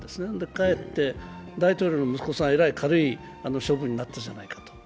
かえって大統領の息子さん、えらい軽い処分になったじゃないかと。